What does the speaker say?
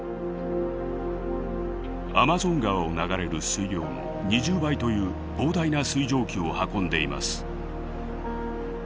アマゾン川を流れる水量の２０倍という膨大な水蒸気を運んでいます。